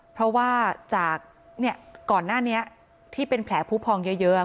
เพราะว่าจากก่อนหน้านี้ที่เป็นแผลผู้พองเยอะ